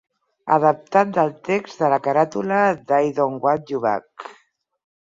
Adaptat del text de la caràtula d'"I Don't Want You Back".